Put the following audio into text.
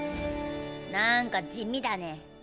なんか地味だね。